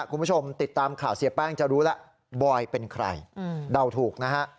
คุณผู้ชมติดตามข่าวเสียแป้งจะรู้แล้วบอยเป็นใครเดาถูกนะฮะ